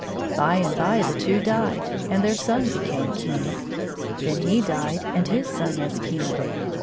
By and by the two died, and their son became king. Then he died and his son was king.